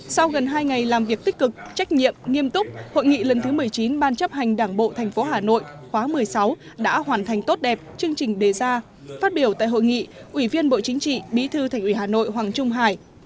sau gần hai ngày làm việc tích cực trách nhiệm nghiêm túc hội nghị lần thứ một mươi chín ban chấp hành đảng bộ tp hà nội khóa một mươi sáu đã hoàn thành tốt đẹp chương trình đề ra phát biểu tại hội nghị ủy viên bộ chính trị bí thư thành ủy hà nội hoàng trung hải